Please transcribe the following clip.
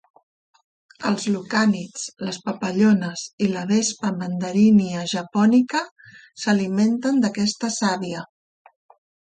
Els lucànids, les papallones i la "Vespa mandarinia japònica" s'alimenten d'aquesta sàvia.